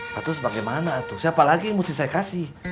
lalu sebagaimana tuh siapa lagi yang mesti saya kasih